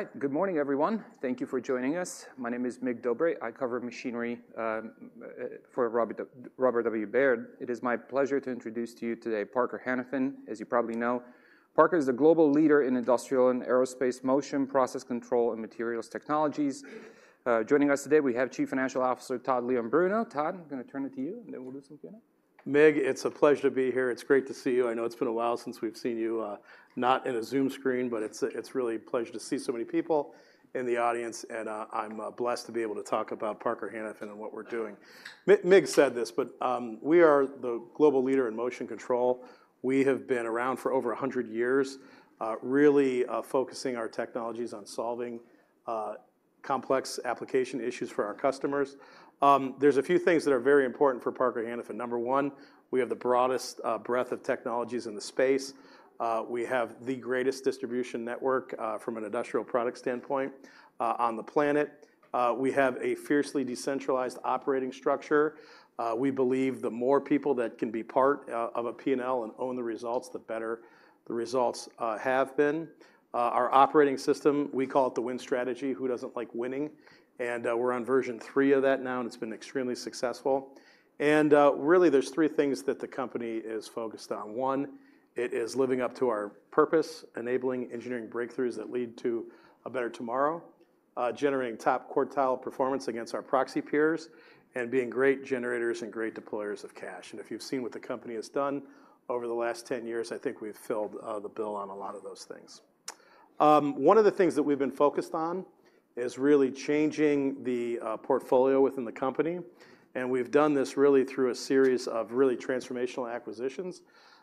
All right. Good morning, everyone. Thank you for joining us. My name is Mig Dobre. I cover machinery for Robert W. Baird. It is my pleasure to introduce to you today Parker Hannifin. As you probably know, Parker is a global leader in industrial and aerospace motion, process control, and materials technologies. Joining us today, we have Chief Financial Officer Todd Leombruno. Todd, I'm gonna turn it to you, and then we'll do some Q&A. Mig, it's a pleasure to be here. It's great to see you. I know it's been a while since we've seen you, not in a Zoom screen, but it's really a pleasure to see so many people in the audience, and I'm blessed to be able to talk about Parker Hannifin and what we're doing. Mig said this, but we are the global leader in motion control. We have been around for over 100 years, really focusing our technologies on solving complex application issues for our customers. There's a few things that are very important for Parker Hannifin. Number one, we have the broadest breadth of technologies in the space. We have the greatest distribution network from an industrial product standpoint on the planet. We have a fiercely decentralized operating structure. We believe the more people that can be part of a P&L and own the results have been. Our operating system, we call it the Win Strategy. Who doesn't like winning? We're on version 3 of that now, and it's been extremely successful. Really, there's 3 things that the company is focused on. 1, it is living up to our purpose, enabling engineering breakthroughs that lead to a better tomorrow, generating top quartile performance against our proxy peers, and being great generators and great deployers of cash. If you've seen what the company has done over the last 10 years, I think we've filled the bill on a lot of those things. One of the things that we've been focused on is really changing the portfolio within the company, and we've done this really through a series of really transformational acquisitions,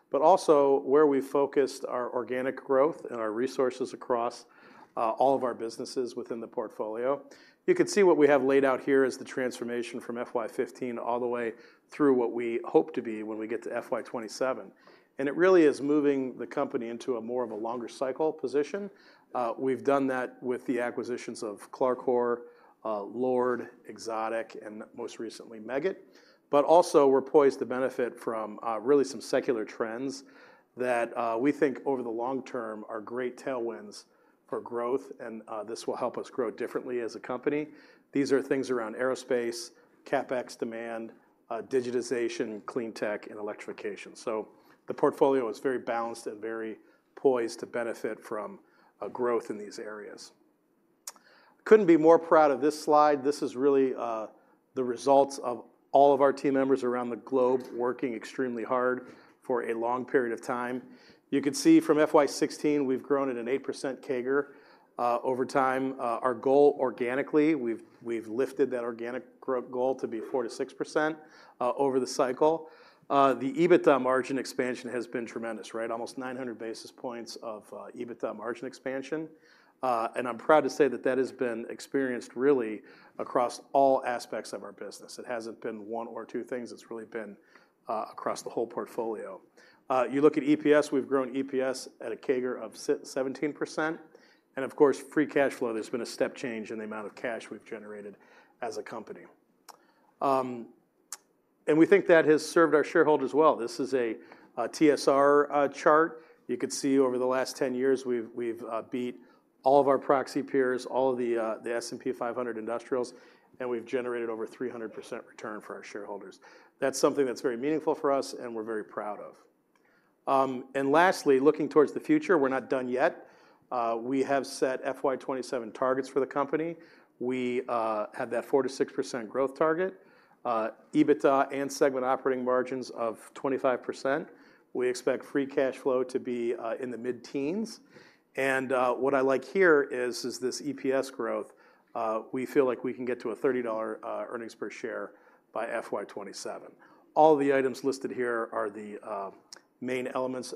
but also where we focused our organic growth and our resources across all of our businesses within the portfolio. You could see what we have laid out here is the transformation from FY 2015 all the way through what we hope to be when we get to FY 2027, and it really is moving the company into more of a longer cycle position. We've done that with the acquisitions of Clarcor, LORD, Exotic, and most recently, Meggitt. But also, we're poised to benefit from really some secular trends that we think over the long term are great tailwinds for growth, and this will help us grow differently as a company. These are things around aerospace, CapEx demand, digitization, clean tech, and electrification. So the portfolio is very balanced and very poised to benefit from a growth in these areas. Couldn't be more proud of this slide. This is really the results of all of our team members around the globe working extremely hard for a long period of time. You could see from FY 16, we've grown at an 8% CAGR. Over time, our goal organically, we've lifted that organic growth goal to be 4%-6%, over the cycle. The EBITDA margin expansion has been tremendous, right? Almost 900 basis points of EBITDA margin expansion. And I'm proud to say that that has been experienced really across all aspects of our business. It hasn't been one or two things, it's really been across the whole portfolio. You look at EPS, we've grown EPS at a CAGR of 17%, and of course, free cash flow, there's been a step change in the amount of cash we've generated as a company. We think that has served our shareholders well. This is a TSR chart. You could see over the last 10 years, we've beat all of our proxy peers, all of the S&P 500 industrials, and we've generated over 300% return for our shareholders. That's something that's very meaningful for us, and we're very proud of. Lastly, looking towards the future, we're not done yet. We have set FY 2027 targets for the company. We have that 4%-6% growth target, EBITDA and segment operating margins of 25%. We expect free cash flow to be in the mid-teens. And what I like here is this EPS growth. We feel like we can get to a $30 earnings per share by FY 2027. All the items listed here are the main elements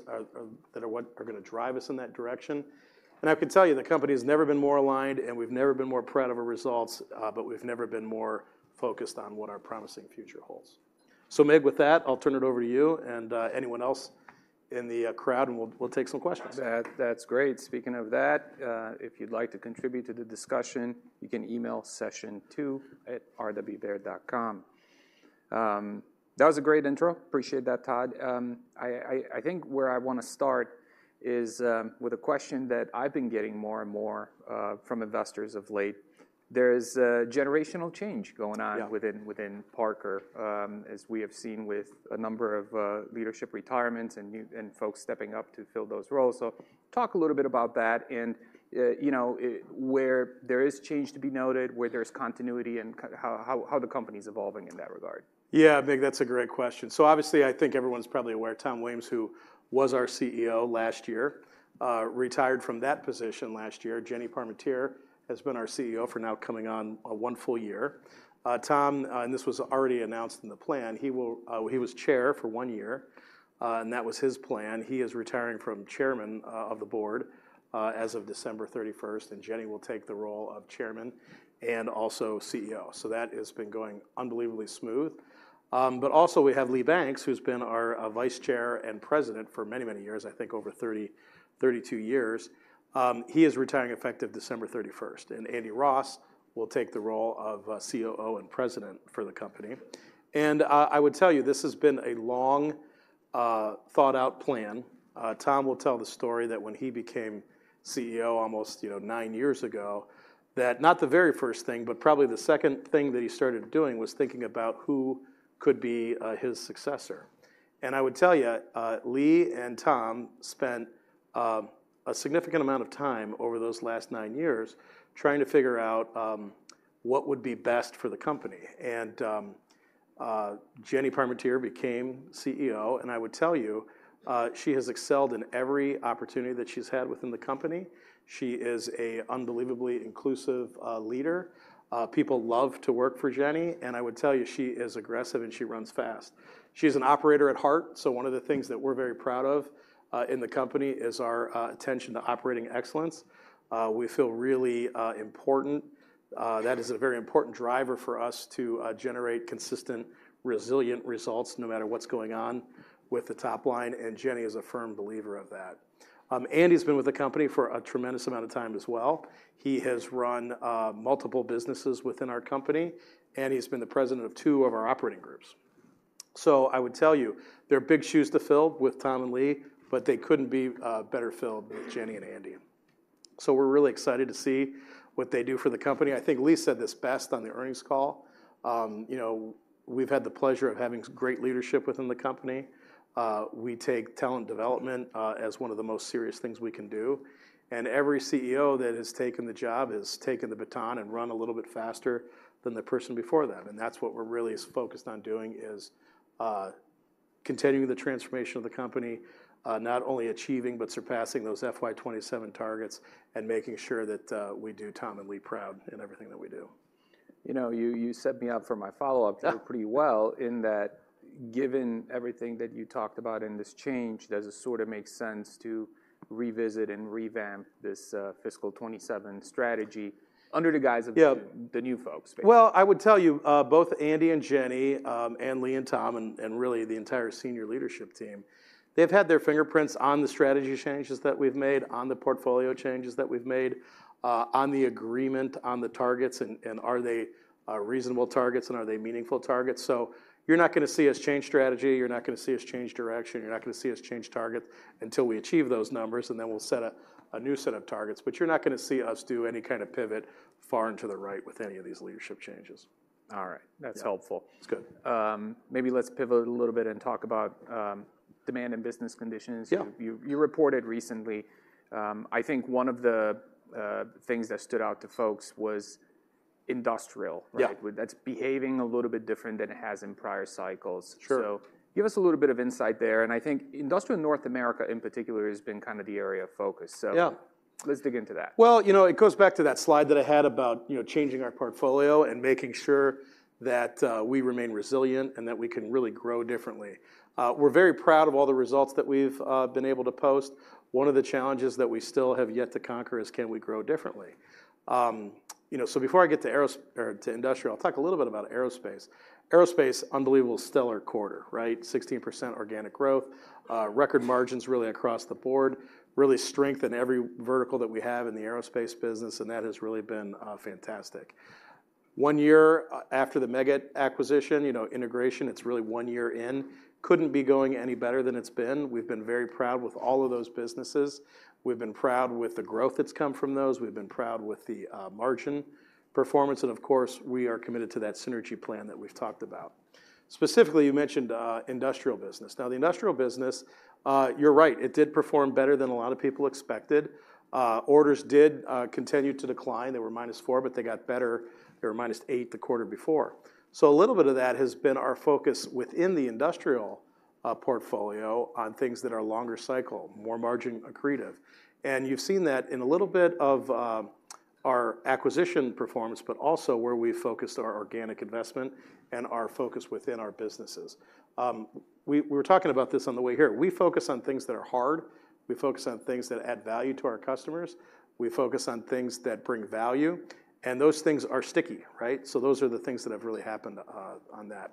that are what are gonna drive us in that direction. And I can tell you, the company has never been more aligned, and we've never been more proud of our results, but we've never been more focused on what our promising future holds. So Mig, with that, I'll turn it over to you and anyone else in the crowd, and we'll take some questions. That, that's great. Speaking of that, if you'd like to contribute to the discussion, you can email sessiontwo@rwbaird.com. That was a great intro. Appreciate that, Todd. I think where I wanna start is with a question that I've been getting more and more from investors of late. There's a generational change going on- Yeah... within Parker, as we have seen with a number of leadership retirements and new and folks stepping up to fill those roles. So talk a little bit about that and, you know, where there is change to be noted, where there's continuity, and how the company's evolving in that regard. Yeah, Mig, that's a great question. So obviously, I think everyone's probably aware, Tom Williams, who was our CEO last year, retired from that position last year. Jenny Parmentier has been our CEO for now coming on, one full year. Tom, and this was already announced in the plan, he will... He was chair for one year, and that was his plan. He is retiring from chairman of the board as of December 31st, and Jenny will take the role of chairman and also CEO. So that has been going unbelievably smooth... But also we have Lee Banks, who's been our, vice chair and president for many, many years, I think over 30, 32 years. He is retiring effective December 31st, and Andy Ross will take the role of, COO and president for the company. I would tell you, this has been a long, thought-out plan. Tom will tell the story that when he became CEO almost, you know, nine years ago, that not the very first thing, but probably the second thing that he started doing, was thinking about who could be, his successor. I would tell you, Lee and Tom spent, a significant amount of time over those last nine years trying to figure out, what would be best for the company. Jenny Parmentier became CEO, and I would tell you, she has excelled in every opportunity that she's had within the company. She is a unbelievably inclusive, leader. People love to work for Jenny, and I would tell you, she is aggressive, and she runs fast. She's an operator at heart, so one of the things that we're very proud of in the company is our attention to operating excellence. We feel really important, that is a very important driver for us to generate consistent, resilient results, no matter what's going on with the top line, and Jenny is a firm believer of that. Andy's been with the company for a tremendous amount of time as well. He has run multiple businesses within our company, and he's been the president of two of our operating groups. So I would tell you, they're big shoes to fill with Tom and Lee, but they couldn't be better filled with Jenny and Andy. So we're really excited to see what they do for the company. I think Lee said this best on the earnings call, you know, we've had the pleasure of having great leadership within the company. We take talent development as one of the most serious things we can do, and every CEO that has taken the job has taken the baton and run a little bit faster than the person before them. And that's what we're really is focused on doing, is continuing the transformation of the company, not only achieving but surpassing those FY 2027 targets and making sure that we do Tom and Lee proud in everything that we do. You know, you set me up for my follow-up- Yeah pretty well, in that given everything that you talked about in this change, does it sort of make sense to revisit and revamp this fiscal 27 strategy under the guise of- Yeah the new folks? Well, I would tell you, both Andy and Jenny, and Lee and Tom, and really the entire senior leadership team, they've had their fingerprints on the strategy changes that we've made, on the portfolio changes that we've made, on the agreement, on the targets, and are they reasonable targets, and are they meaningful targets? So you're not gonna see us change strategy, you're not gonna see us change direction, you're not gonna see us change targets until we achieve those numbers, and then we'll set a new set of targets. But you're not gonna see us do any kind of pivot far and to the right with any of these leadership changes. All right. Yeah. That's helpful. It's good. Maybe let's pivot a little bit and talk about demand and business conditions. Yeah. You reported recently. I think one of the things that stood out to folks was industrial. Yeah. Like, with that's behaving a little bit different than it has in prior cycles. Sure. So give us a little bit of insight there, and I think Industrial North America, in particular, has been kind of the area of focus. So- Yeah... let's dig into that. Well, you know, it goes back to that slide that I had about, you know, changing our portfolio and making sure that we remain resilient and that we can really grow differently. We're very proud of all the results that we've been able to post. One of the challenges that we still have yet to conquer is: Can we grow differently? You know, so before I get to or to industrial, I'll talk a little bit about aerospace. Aerospace, unbelievable, stellar quarter, right? 16% organic growth, record margins really across the board, really strength in every vertical that we have in the aerospace business, and that has really been fantastic. One year after the Meggitt acquisition, you know, integration, it's really one year in, couldn't be going any better than it's been. We've been very proud with all of those businesses. We've been proud with the growth that's come from those. We've been proud with the margin performance, and of course, we are committed to that synergy plan that we've talked about. Specifically, you mentioned industrial business. Now, the industrial business, you're right, it did perform better than a lot of people expected. Orders did continue to decline. They were -4, but they got better. They were -8 the quarter before. So a little bit of that has been our focus within the industrial portfolio on things that are longer cycle, more margin accretive. And you've seen that in a little bit of our acquisition performance, but also where we've focused our organic investment and our focus within our businesses. We were talking about this on the way here. We focus on things that are hard. We focus on things that add value to our customers. We focus on things that bring value, and those things are sticky, right? So those are the things that have really happened on that.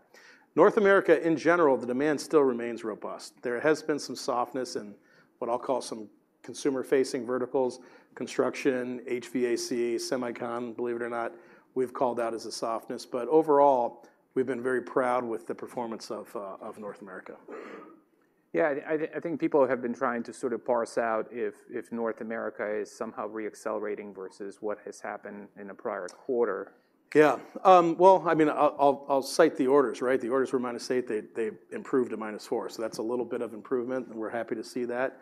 North America, in general, the demand still remains robust. There has been some softness in what I'll call some consumer-facing verticals, construction, HVAC, semicon, believe it or not, we've called out as a softness, but overall, we've been very proud with the performance of North America. Yeah, I think people have been trying to sort of parse out if North America is somehow re-accelerating versus what has happened in the prior quarter. Yeah. Well, I mean, I'll cite the orders, right? The orders were -8. They improved to -4, so that's a little bit of improvement, and we're happy to see that.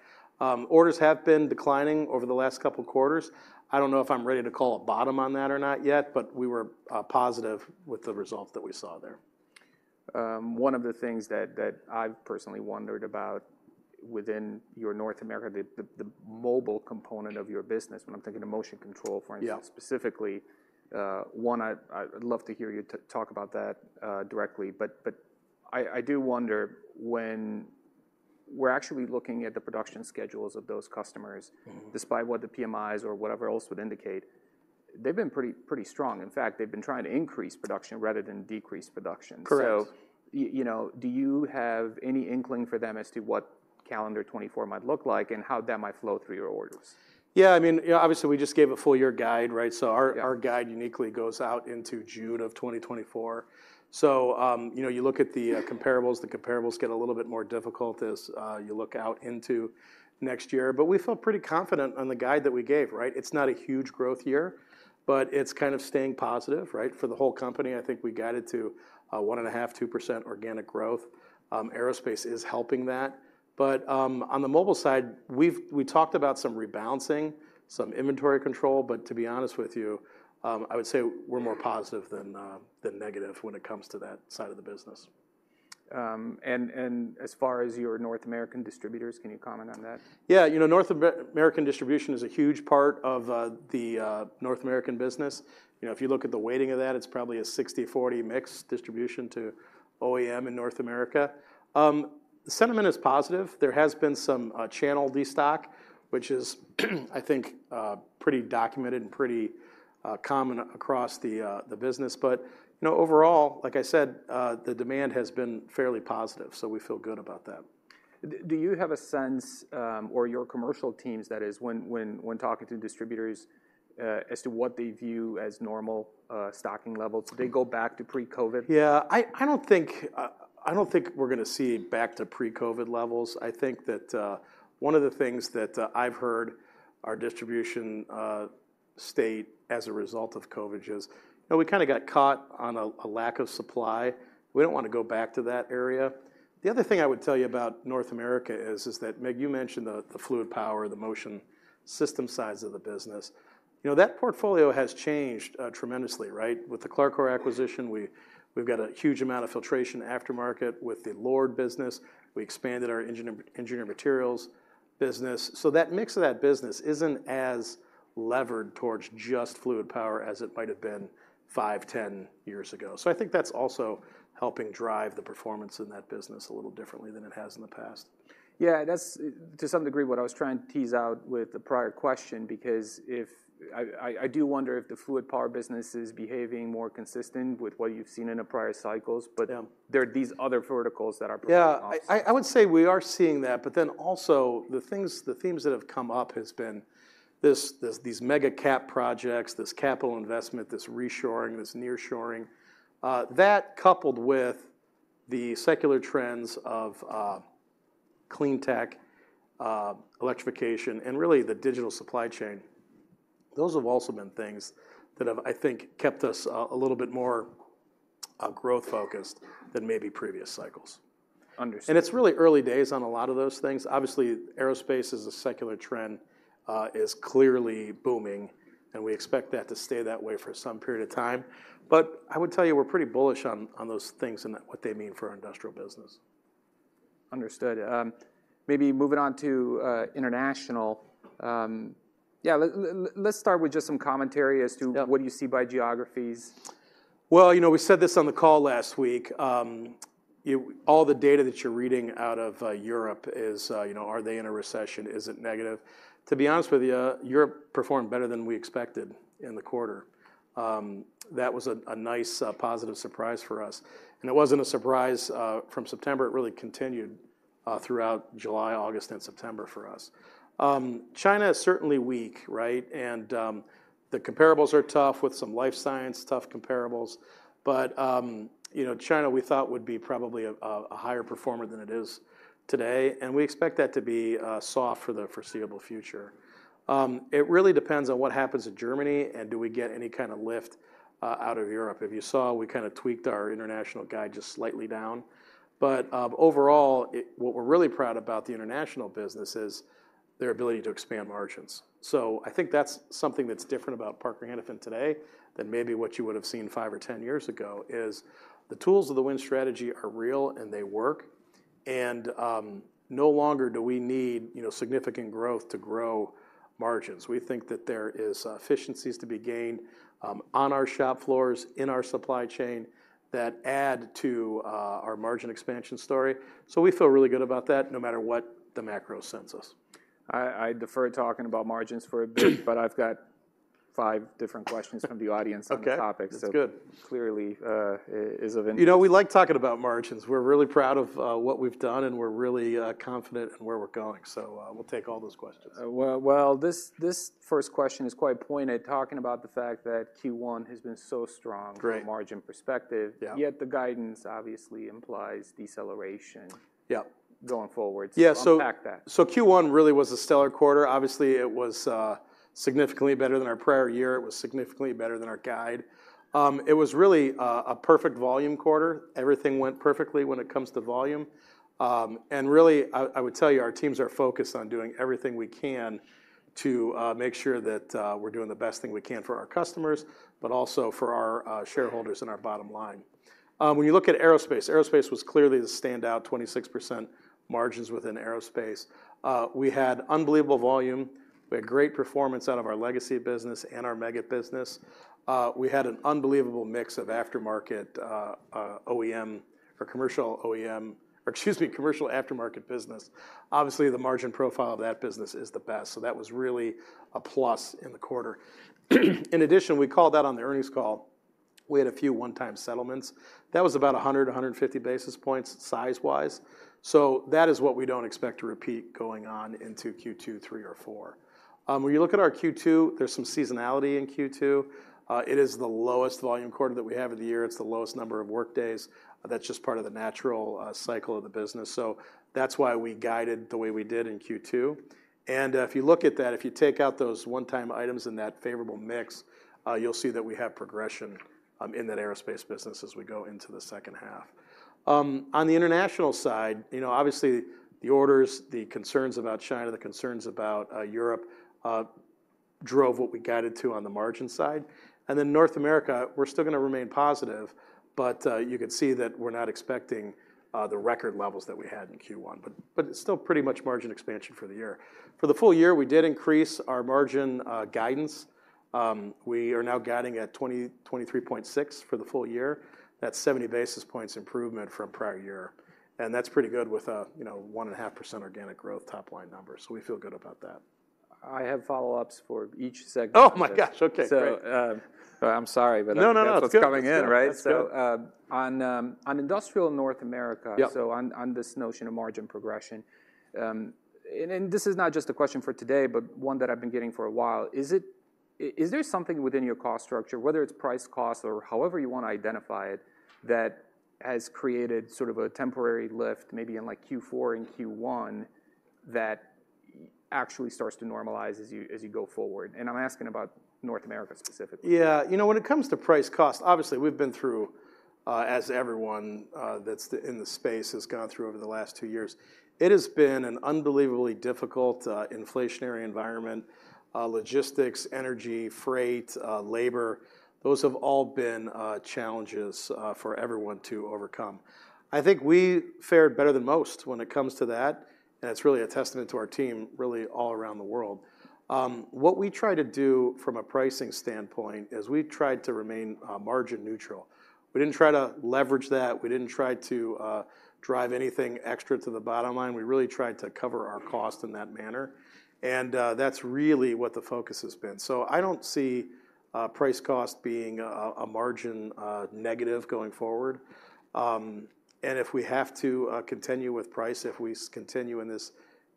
Orders have been declining over the last couple of quarters. I don't know if I'm ready to call a bottom on that or not yet, but we were positive with the results that we saw there. One of the things that I've personally wondered about within your North America, the mobile component of your business, when I'm thinking of motion control, for instance- Yeah... specifically, one, I, I'd love to hear you talk about that, directly, but, but I, I do wonder when we're actually looking at the production schedules of those customers. Mm-hmm. Despite what the PMIs or whatever else would indicate, they've been pretty, pretty strong. In fact, they've been trying to increase production rather than decrease production. Correct. So, you know, do you have any inkling for them as to what calendar 2024 might look like, and how that might flow through your orders? Yeah, I mean, you know, obviously, we just gave a full year guide, right? Yeah. So our guide uniquely goes out into June of 2024. So, you know, you look at the comparables, the comparables get a little bit more difficult as you look out into next year. But we feel pretty confident on the guide that we gave, right? It's not a huge growth year, but it's kind of staying positive, right? For the whole company, I think we guided to 1.5-2% organic growth. Aerospace is helping that. But on the mobile side, we talked about some rebalancing, some inventory control, but to be honest with you, I would say we're more positive than negative when it comes to that side of the business. And as far as your North American distributors, can you comment on that? Yeah, you know, North American distribution is a huge part of the North American business. You know, if you look at the weighting of that, it's probably a 60/40 mix distribution to OEM in North America. The sentiment is positive. There has been some channel destock, which is, I think, pretty documented and pretty common across the business. But, you know, overall, like I said, the demand has been fairly positive, so we feel good about that. Do you have a sense, or your commercial teams, that is, when talking to distributors, as to what they view as normal stocking levels? Do they go back to pre-COVID? Yeah, I don't think we're gonna see back to pre-COVID levels. I think that one of the things that I've heard our distributors state as a result of COVID is, "You know, we kinda got caught on a lack of supply. We don't wanna go back to that area." The other thing I would tell you about North America is that, Mig, you mentioned the fluid power, the motion system size of the business. You know, that portfolio has changed tremendously, right? With the Clarcor acquisition, we've got a huge amount of filtration aftermarket. With the Lord business, we expanded our engineered materials business. So that mix of that business isn't as levered towards just fluid power as it might have been 5, 10 years ago. I think that's also helping drive the performance in that business a little differently than it has in the past. Yeah, that's, to some degree, what I was trying to tease out with the prior question, because if... I do wonder if the fluid power business is behaving more consistent with what you've seen in the prior cycles, but- Yeah... there are these other verticals that are performing also. Yeah, I would say we are seeing that, but then also, the things, the themes that have come up has been this, these mega cap projects, this capital investment, this reshoring, this nearshoring. That coupled with the secular trends of clean tech, electrification, and really, the digital supply chain, those have also been things that have, I think, kept us a little bit more growth-focused than maybe previous cycles. Understood. It's really early days on a lot of those things. Obviously, aerospace is a secular trend, is clearly booming, and we expect that to stay that way for some period of time. But I would tell you, we're pretty bullish on those things and what they mean for our industrial business. Understood. Maybe moving on to international, let's start with just some commentary as to- Yeah... what do you see by geographies? Well, you know, we said this on the call last week, all the data that you're reading out of Europe is, you know, are they in a recession? Is it negative? To be honest with you, Europe performed better than we expected in the quarter. That was a nice positive surprise for us, and it wasn't a surprise from September, it really continued throughout July, August, and September for us. China is certainly weak, right? And the comparables are tough with some life science, tough comparables. But you know, China, we thought, would be probably a higher performer than it is today, and we expect that to be soft for the foreseeable future. It really depends on what happens in Germany, and do we get any kind of lift out of Europe. If you saw, we kinda tweaked our international guide just slightly down. But overall, what we're really proud about the international business is their ability to expand margins. So I think that's something that's different about Parker Hannifin today than maybe what you would have seen five or 10 years ago, is the tools of the Win Strategy are real, and they work. No longer do we need, you know, significant growth to grow margins. We think that there is efficiencies to be gained on our shop floors, in our supply chain, that add to our margin expansion story. So we feel really good about that, no matter what the macro sends us. I defer talking about margins for a bit, but I've got five different questions from the audience. Okay - on the topic. That's good. So clearly, it is of in- You know, we like talking about margins. We're really proud of what we've done, and we're really confident in where we're going. So, we'll take all those questions. Well, this first question is quite pointed, talking about the fact that Q1 has been so strong. Great... margin perspective. Yeah. Yet the guidance obviously implies deceleration- Yeah... going forward. Yeah, so- Unpack that. So Q1 really was a stellar quarter. Obviously, it was significantly better than our prior year. It was significantly better than our guide. It was really a perfect volume quarter. Everything went perfectly when it comes to volume. And really, I would tell you, our teams are focused on doing everything we can to make sure that we're doing the best thing we can for our customers, but also for our shareholders and our bottom line. When you look at Aerospace, Aerospace was clearly the standout, 26% margins within Aerospace. We had unbelievable volume. We had great performance out of our legacy business and our Meggitt business. We had an unbelievable mix of aftermarket, OEM or commercial OEM, or excuse me, commercial aftermarket business. Obviously, the margin profile of that business is the best, so that was really a plus in the quarter. In addition, we called out on the earnings call, we had a few one-time settlements. That was about 100-150 basis points size-wise. So that is what we don't expect to repeat going on into Q2, Q3, or Q4. When you look at our Q2, there's some seasonality in Q2. It is the lowest volume quarter that we have of the year. It's the lowest number of work days. That's just part of the natural cycle of the business. So that's why we guided the way we did in Q2. If you look at that, if you take out those one-time items and that favorable mix, you'll see that we have progression in that aerospace business as we go into the second half. On the international side, you know, obviously, the orders, the concerns about China, the concerns about Europe drove what we guided to on the margin side. And then North America, we're still gonna remain positive, but you can see that we're not expecting the record levels that we had in Q1. But it's still pretty much margin expansion for the year. For the full year, we did increase our margin guidance. We are now guiding at 23.6% for the full year. That's 70 basis points improvement from prior year, and that's pretty good with a, you know, 1.5% organic growth top-line number, so we feel good about that. I have follow-ups for each segment. Oh, my gosh! Okay, great. So, I'm sorry, but- No, no, no, it's good.... that's what's coming in, right? That's good. So, on industrial North America- Yep... so on, on this notion of margin progression, and this is not just a question for today, but one that I've been getting for a while: is there something within your cost structure, whether it's price, cost, or however you want to identify it, that has created sort of a temporary lift, maybe in like Q4 and Q1, that actually starts to normalize as you go forward? And I'm asking about North America specifically. Yeah. You know, when it comes to price cost, obviously, we've been through, as everyone that's in the space has gone through over the last two years, it has been an unbelievably difficult inflationary environment. Logistics, energy, freight, labor, those have all been challenges for everyone to overcome. I think we fared better than most when it comes to that, and it's really a testament to our team, really, all around the world. What we try to do from a pricing standpoint is we tried to remain margin neutral. We didn't try to leverage that. We didn't try to drive anything extra to the bottom line. We really tried to cover our cost in that manner, and that's really what the focus has been. So I don't see price cost being a margin negative going forward. And if we have to continue with price, if we continue in this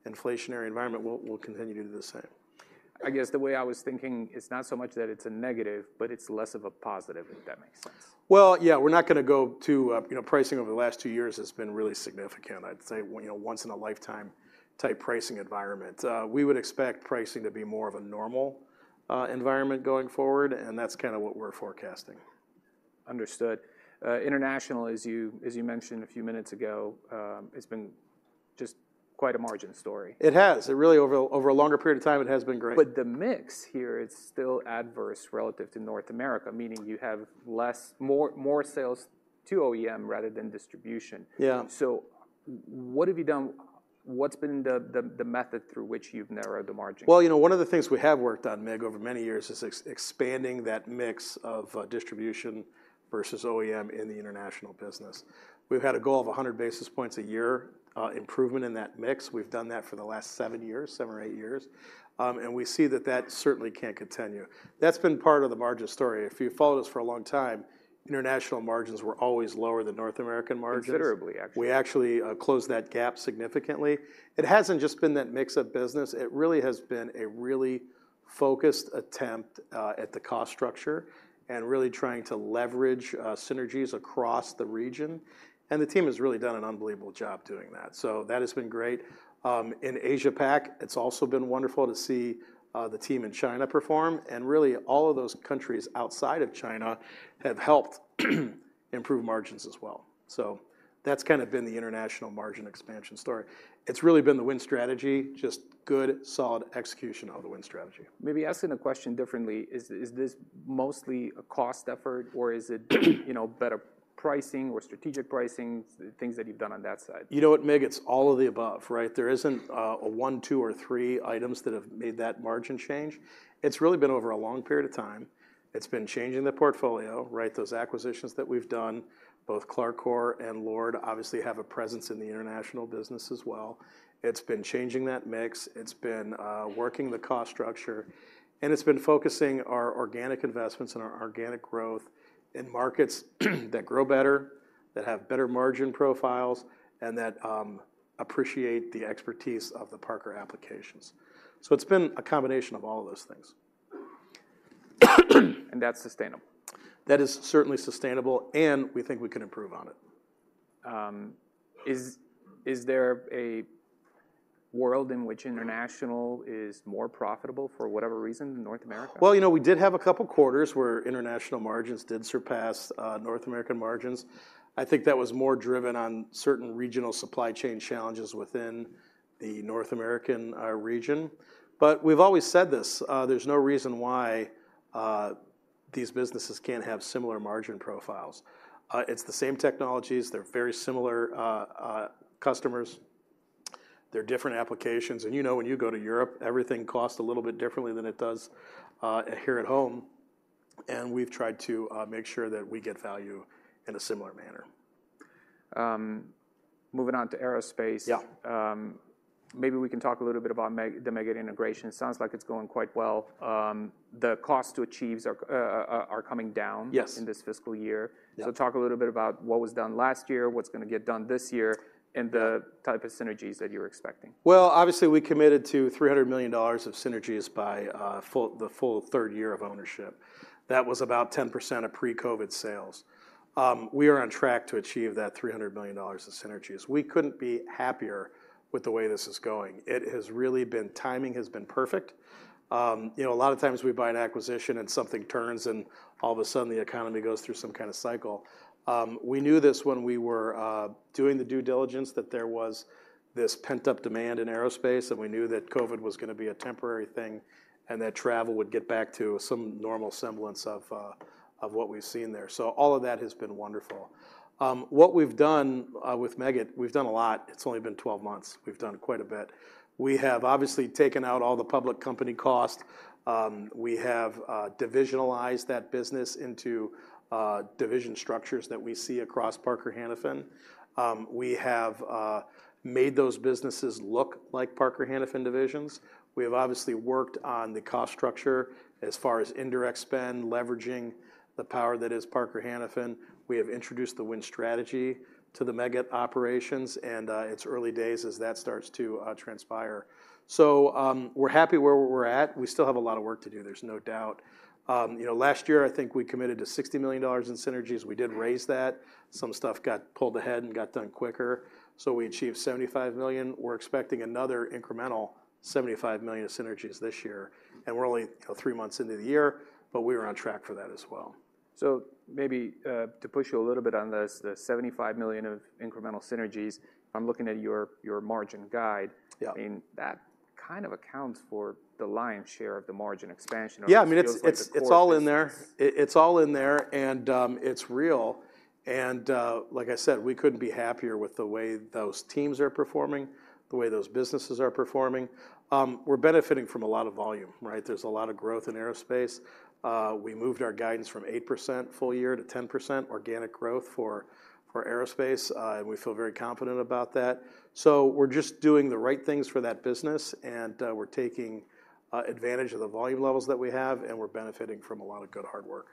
inflationary environment, we'll continue to do the same. I guess the way I was thinking, it's not so much that it's a negative, but it's less of a positive, if that makes sense. Well, yeah, we're not gonna go to, you know, pricing over the last two years has been really significant. I'd say, you know, once in a lifetime type pricing environment. We would expect pricing to be more of a normal, environment going forward, and that's kinda what we're forecasting. Understood. International, as you, as you mentioned a few minutes ago, it's been just quite a margin story. It has. It really, over a longer period of time, it has been great. But the mix here, it's still adverse relative to North America, meaning you have less... More, more sales to OEM rather than distribution. Yeah. So what have you done? What's been the method through which you've narrowed the margin? Well, you know, one of the things we have worked on, Mig, over many years is expanding that mix of, distribution versus OEM in the international business. We've had a goal of 100 basis points a year, improvement in that mix. We've done that for the last seven years, seven or eight years. And we see that that certainly can't continue. That's been part of the margin story. If you followed us for a long time, international margins were always lower than North American margins. Considerably, actually. We actually closed that gap significantly. It hasn't just been that mix of business. It really has been a really focused attempt at the cost structure and really trying to leverage synergies across the region, and the team has really done an unbelievable job doing that. So that has been great. In Asia Pac, it's also been wonderful to see the team in China perform, and really, all of those countries outside of China have helped improve margins as well. So that's kind of been the international margin expansion story. It's really been the Win Strategy, just good, solid execution of the Win Strategy. Maybe asking the question differently, is this mostly a cost effort, or is it, you know, better pricing or strategic pricing, things that you've done on that side? You know what, Mig? It's all of the above, right? There isn't a one, two, or three items that have made that margin change. It's really been over a long period of time. It's been changing the portfolio, right? Those acquisitions that we've done, both Clarcor and LORD, obviously have a presence in the international business as well. It's been changing that mix, it's been working the cost structure, and it's been focusing our organic investments and our organic growth in markets that grow better, that have better margin profiles, and that appreciate the expertise of the Parker applications. So it's been a combination of all of those things. That's sustainable? That is certainly sustainable, and we think we can improve on it. Is there a world in which international is more profitable, for whatever reason, than North America? Well, you know, we did have a couple quarters where international margins did surpass North American margins. I think that was more driven on certain regional supply chain challenges within the North American region. But we've always said this: there's no reason why these businesses can't have similar margin profiles. It's the same technologies. They're very similar customers. They're different applications. And you know, when you go to Europe, everything costs a little bit differently than it does here at home, and we've tried to make sure that we get value in a similar manner.... moving on to aerospace. Yeah. Maybe we can talk a little bit about the Meggitt integration. It sounds like it's going quite well. The costs to achieve are coming down- Yes in this fiscal year. Yeah. Talk a little bit about what was done last year, what's gonna get done this year, and the type of synergies that you're expecting. Well, obviously, we committed to $300 million of synergies by the full third year of ownership. That was about 10% of pre-COVID sales. We are on track to achieve that $300 million of synergies. We couldn't be happier with the way this is going. It has really been. Timing has been perfect. You know, a lot of times we buy an acquisition and something turns, and all of a sudden, the economy goes through some kind of cycle. We knew this when we were doing the due diligence, that there was this pent-up demand in aerospace, and we knew that COVID was gonna be a temporary thing, and that travel would get back to some normal semblance of what we've seen there. So all of that has been wonderful. What we've done with Meggitt, we've done a lot. It's only been 12 months. We've done quite a bit. We have obviously taken out all the public company costs. We have divisionalized that business into division structures that we see across Parker Hannifin. We have made those businesses look like Parker Hannifin divisions. We have obviously worked on the cost structure as far as indirect spend, leveraging the power that is Parker Hannifin. We have introduced the Win Strategy to the Meggitt operations, and it's early days as that starts to transpire. So, we're happy where we're at. We still have a lot of work to do, there's no doubt. You know, last year, I think we committed to $60 million in synergies. We did raise that. Some stuff got pulled ahead and got done quicker, so we achieved $75 million. We're expecting another incremental $75 million of synergies this year, and we're only 3 months into the year, but we are on track for that as well. Maybe to push you a little bit on this, the $75 million of incremental synergies, I'm looking at your, your margin guide. Yeah. I mean, that kind of accounts for the lion's share of the margin expansion. Yeah, I mean, it's... It feels like the core-... it's all in there. It's all in there, and it's real, and like I said, we couldn't be happier with the way those teams are performing, the way those businesses are performing. We're benefiting from a lot of volume, right? There's a lot of growth in aerospace. We moved our guidance from 8% full year to 10% organic growth for aerospace, and we feel very confident about that. So we're just doing the right things for that business, and we're taking advantage of the volume levels that we have, and we're benefiting from a lot of good, hard work.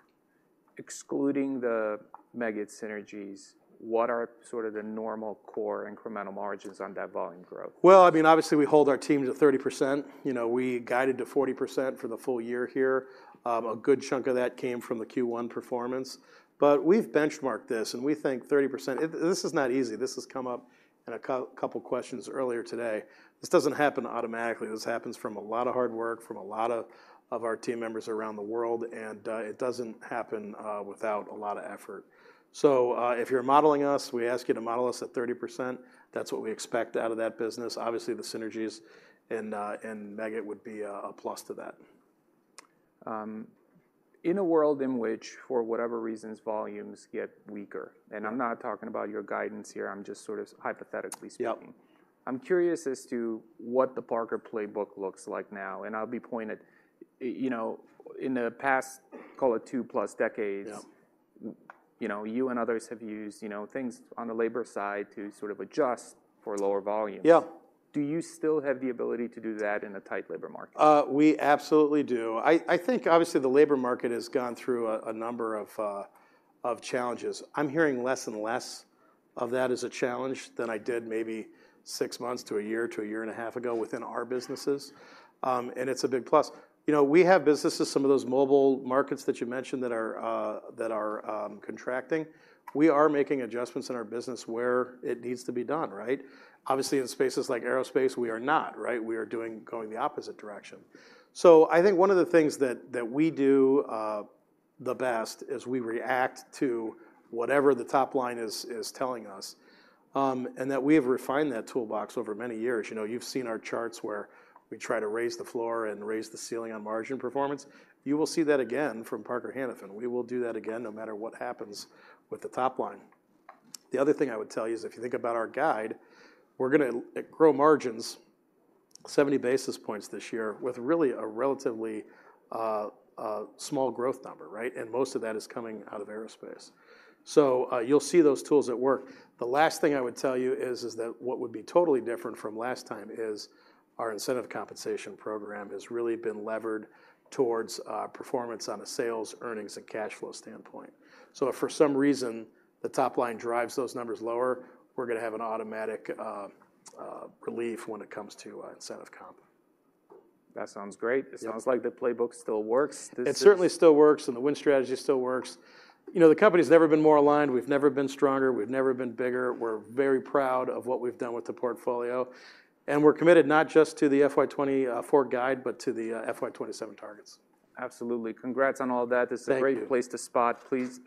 Excluding the Meggitt synergies, what are sort of the normal core incremental margins on that volume growth? Well, I mean, obviously, we hold our teams at 30%. You know, we guided to 40% for the full year here. A good chunk of that came from the Q1 performance. But we've benchmarked this, and we think 30%... This is not easy. This has come up in a couple questions earlier today. This doesn't happen automatically. This happens from a lot of hard work, from a lot of our team members around the world, and it doesn't happen without a lot of effort. So, if you're modeling us, we ask you to model us at 30%. That's what we expect out of that business. Obviously, the synergies in Meggitt would be a plus to that. In a world in which, for whatever reasons, volumes get weaker, and I'm not talking about your guidance here, I'm just sort of hypothetically speaking- Yep. I'm curious as to what the Parker playbook looks like now, and I'll be pointed. You know, in the past, call it 2+ decades- Yeah... you know, you and others have used, you know, things on the labor side to sort of adjust for lower volumes. Yeah. Do you still have the ability to do that in a tight labor market? We absolutely do. I think, obviously, the labor market has gone through a number of challenges. I'm hearing less and less of that as a challenge than I did maybe six months to a year, to a year and a half ago within our businesses. And it's a big plus. You know, we have businesses, some of those mobile markets that you mentioned, that are contracting. We are making adjustments in our business where it needs to be done, right? Obviously, in spaces like aerospace, we are not, right? We are doing, going the opposite direction. So I think one of the things that we do the best is we react to whatever the top line is telling us, and that we have refined that toolbox over many years. You know, you've seen our charts where we try to raise the floor and raise the ceiling on margin performance. You will see that again from Parker Hannifin. We will do that again no matter what happens with the top line. The other thing I would tell you is, if you think about our guide, we're gonna grow margins 70 basis points this year with really a relatively small growth number, right? And most of that is coming out of aerospace. So, you'll see those tools at work. The last thing I would tell you is that what would be totally different from last time is our incentive compensation program has really been levered towards performance on a sales, earnings, and cash flow standpoint. If for some reason, the top line drives those numbers lower, we're gonna have an automatic relief when it comes to incentive comp. That sounds great. Yeah. It sounds like the playbook still works. This is- It certainly still works, and the Win Strategy still works. You know, the company's never been more aligned, we've never been stronger, we've never been bigger. We're very proud of what we've done with the portfolio, and we're committed not just to the FY 2024 guide, but to the FY 2027 targets. Absolutely. Congrats on all of that. Thank you. This is a great place to spot. Please,